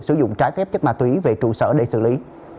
sử dụng trái phép chất ma túy về trụ sở để xử lý